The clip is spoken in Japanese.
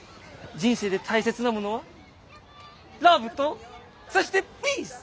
人生で大切なものはラブとそしてピース！